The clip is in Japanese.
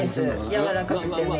やわらかくて麺が。